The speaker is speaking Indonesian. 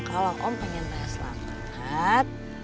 kalau om pengen raya selamat banget